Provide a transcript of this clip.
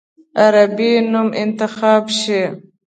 عربي نوم انتخاب شي.